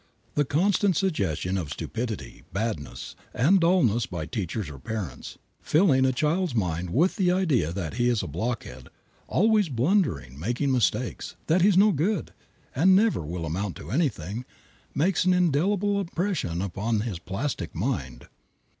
The constant suggestion of stupidity, badness, and dullness by teachers or parents, filling a child's mind with the idea that he is a blockhead, always blundering, making mistakes, that he is no good, and never will amount to anything, makes an indelible impression on his plastic mind.